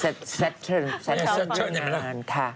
เซ็ตเชิญเรื่องงานค่ะ